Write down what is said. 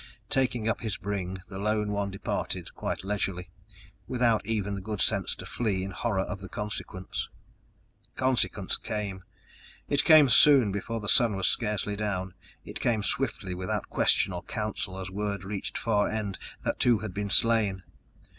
Taking up his bring, the lone one departed quite leisurely, without even the good sense to flee in horror of the consequence. Consequence came. It came soon, before the sun was scarcely down. It came swiftly without question or council, as word reached Far End that two had been slain.